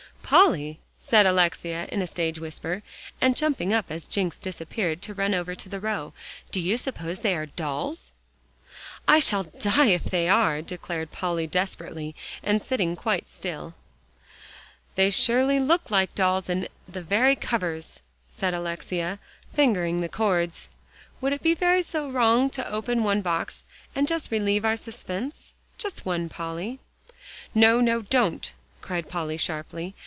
"Polly," said Alexia in a stage whisper, and jumping up as Jencks disappeared, to run over to the row, "do you suppose they are dolls?" "I shall die if they are," declared Polly desperately, and sitting quite still. "They surely look like dolls on the very covers," said Alexia, fingering the cords. "Would it be so very wrong to open one box, and just relieve our suspense? Just one, Polly?" "No, no, don't," cried Polly sharply.